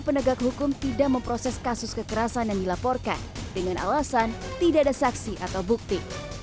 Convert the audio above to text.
penegak hukum tidak memproses kasus kekerasan yang dilaporkan dengan alasan tidak ada saksi atau bukti